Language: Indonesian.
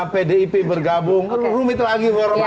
pdip bergabung rumit lagi formatnya